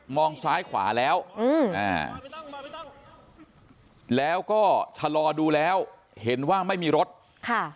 ซ้ายขวาแล้วอืมอ่าแล้วก็ชะลอดูแล้วเห็นว่าไม่มีรถค่ะ